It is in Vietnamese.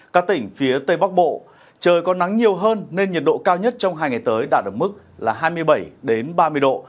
các tỉnh phía tây bắc bộ trời có nắng nhiều hơn nên nhiệt độ cao nhất trong hai ngày tới đạt ở mức là hai mươi bảy ba mươi độ